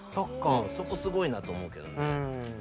そこすごいなと思うけどね。